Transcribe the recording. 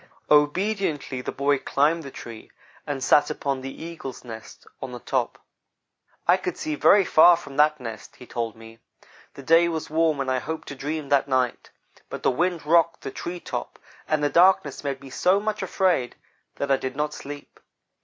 Obediently the boy climbed the tree and sat upon the eagle's nest on the top. "I could see very far from that nest," he told me. "The day was warm and I hoped to dream that night, but the wind rocked the tree top, and the darkness made me so much afraid that I did not sleep.